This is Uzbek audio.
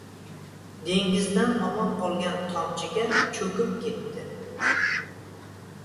• Dengizdan omon qolgan tomchiga cho‘kib ketdi.